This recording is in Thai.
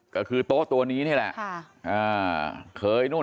ก็คือโต๊ะตัวนี้นี่แหละ